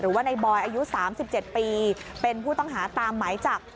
หรือว่าในบอยอายุ๓๗ปีเป็นผู้ต้องหาตามหมายจับ